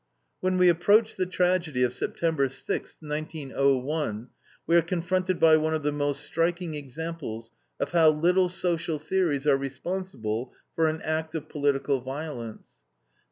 When we approach the tragedy of September sixth, 1901, we are confronted by one of the most striking examples of how little social theories are responsible for an act of political violence.